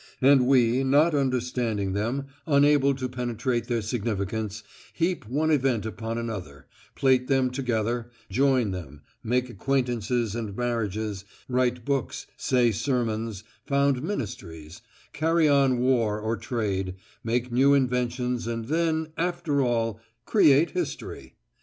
And we, not understanding them, unable to penetrate their significance, heap one event upon another, plait them together, join them, make acquaintances and marriages, write books, say sermons, found ministries, carry on war or trade, make new inventions and then after all, create history!